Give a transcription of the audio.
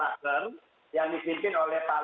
mari kita bicara kepentingan republik